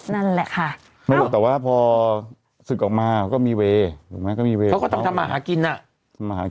นั้นแหละค่ะโคร่แต่ว่าพอสู้ก่อมาก็มีเว่มีเว่เขาก็มหา